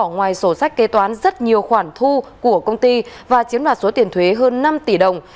ngoài sổ sách kế toán rất nhiều khoản thu của công ty và chiếm đoạt số tiền thuế hơn năm tỷ đồng